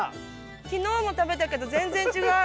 昨日も食べたけど全然違う。